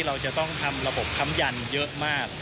เราจะต้องทำระบบค้ำยันเยอะมาก